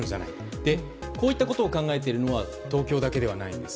こういったことを考えているのは東京だけではないんです。